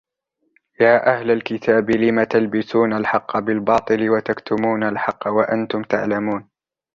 يا أهل الكتاب لم تلبسون الحق بالباطل وتكتمون الحق وأنتم تعلمون